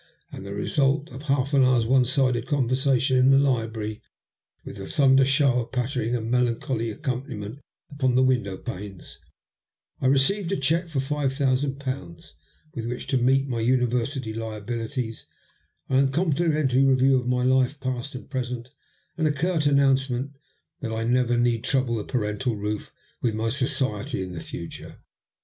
As the result of half an hour's one sided conversation in the library, with a thunder shower pattering a melan choly accompaniment upon the window panes, I received a cheque for five thousand pounds with which to meet my University liabilities, an uncomplimentary review of my life, past and present, and a curt announcement that I need never trouble the parental roof with my society in the future.